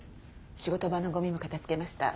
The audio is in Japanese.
仕事場のゴミも片付けました。